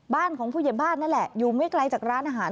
บ้านของผู้ใหญ่บ้านนั่นแหละอยู่ไม่ไกลจากร้านอาหาร